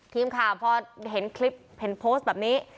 ทีมข่าวพอเห็นคลิปเห็นโพสต์แบบนี้